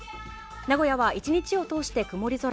名古屋は１日を通して曇り空。